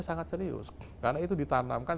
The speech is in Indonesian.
sangat serius karena itu ditanamkan